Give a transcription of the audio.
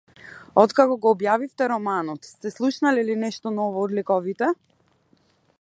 Откако го објавивте романот, сте слушнале ли нешто ново од ликовите?